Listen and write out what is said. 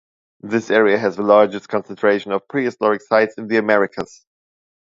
This area has the largest concentration of prehistoric sites in the Americas.